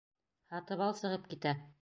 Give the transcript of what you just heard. Һатыбал сығып китә.